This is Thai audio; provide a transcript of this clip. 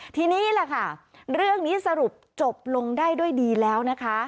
ทีนี้แหละค่ะเรื่องนี้สรุปจบลงได้ด้วยดีแล้วนะคะ